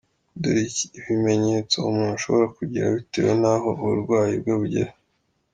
Dore ibimenyetso umuntu ashobora kugira bitewe n’aho uburwayi bwe bugeze :.